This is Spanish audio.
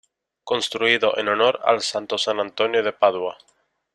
Construido en honor al santo San Antonio de Padua.